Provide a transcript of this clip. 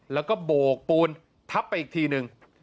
แล้วก็โบกปูนทับไปอีกทีหนึ่ง